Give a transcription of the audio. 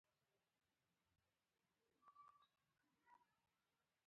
د بادونو شور د غرونو تر منځ غږ کوي.